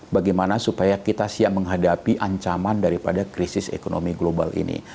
bagaimana supaya kita siap menghadapi ancaman daripada krisis ekonomi global ini